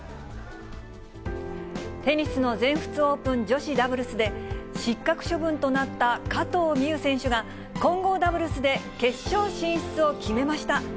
テニスの全仏オープン、女子ダブルスで、失格処分となった加藤未唯選手が、混合ダブルスで決勝進出を決めました。